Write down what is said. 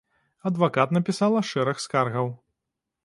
Адвакат напісала шэраг скаргаў.